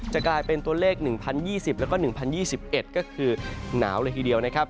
กลายเป็นตัวเลข๑๐๒๐แล้วก็๑๐๒๑ก็คือหนาวเลยทีเดียวนะครับ